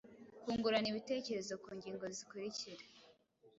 Kungurana ibitekerezo ku ngingo zikurikira: